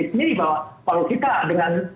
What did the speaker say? kalau kita dengan